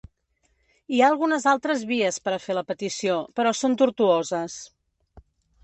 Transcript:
Hi ha algunes altres vies per a fer la petició, però són tortuoses.